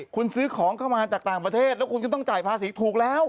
คุณซื้อของเข้ามาจากต่างประเทศแล้วคุณก็ต้องจ่ายภาษีถูกแล้ว